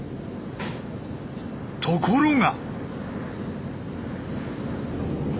ところが！